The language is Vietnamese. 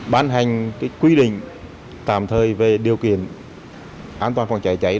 bán hành quy định tạm thời về điều kiện an toàn phòng trái chữa cháy